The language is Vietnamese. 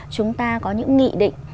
chúng ta có những nghị định